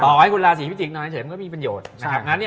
ต่อไว้คุณราศีพิติกนอนเฉยก็มีประโยชน์